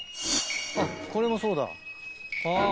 あっこれもそうだあぁ